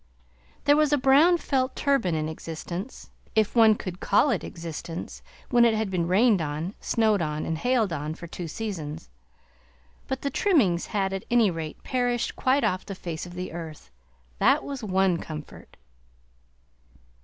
There was a brown felt turban in existence, if one could call it existence when it had been rained on, snowed on, and hailed on for two seasons; but the trimmings had at any rate perished quite off the face of the earth, that was one comfort!